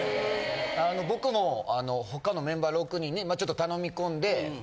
あの僕も他のメンバー６人にちょっと頼み込んで。え！？